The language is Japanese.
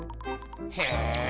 へえ。